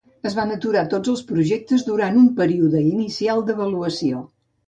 Es van aturar tots els projectes durant un període inicial d'avaluació.